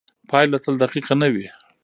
پایله تل دقیقه نه وي.